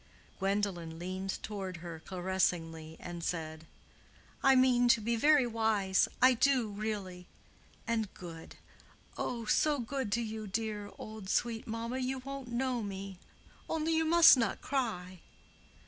Gwendolen leaned toward her caressingly and said, "I mean to be very wise; I do, really. And good—oh, so good to you, dear, old, sweet mamma, you won't know me. Only you must not cry."